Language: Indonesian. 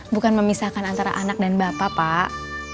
bukan memisahkan antara anak dan bapak pak